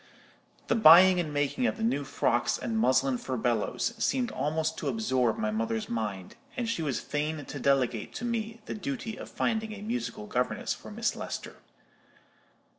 The buying and making of the new frocks and muslin furbelows seemed almost to absorb my mother's mind, and she was fain to delegate to me the duty of finding a musical governess for Miss Lester.